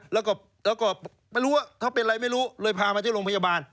แล้วก็ไม่รู้ว่าถ้าเป็นอะไรไม่รู้เลยพามาที่โรงพยาบาล